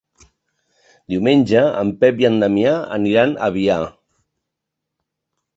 Diumenge en Pep i en Damià aniran a Biar.